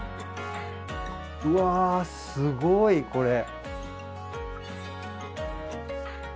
うわすごいこれ。